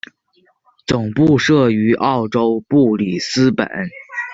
总部设于澳洲布里斯本。